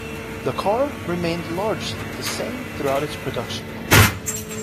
The car remained largely the same throughout its production life.